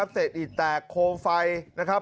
เศษอิดแตกโคมไฟนะครับ